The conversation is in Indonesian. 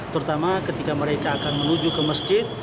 terutama ketika mereka akan menuju ke masjid